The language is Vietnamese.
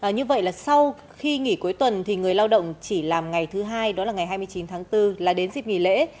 như vậy là sau khi nghỉ cuối tuần thì người lao động chỉ làm ngày thứ hai đó là ngày hai mươi chín tháng bốn là đến dịp nghỉ lễ